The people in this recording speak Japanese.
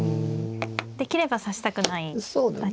できれば指したくないわけですね。